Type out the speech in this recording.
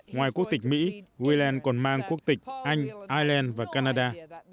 ngoài quốc tịch mỹ ween còn mang quốc tịch anh ireland và canada